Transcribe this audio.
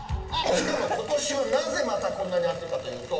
しかも今年はなぜまたこんなに暑いかというと。